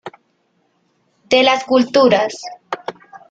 De Las Culturas.